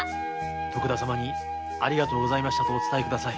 徳田様に「ありがとうございました」とお伝えください。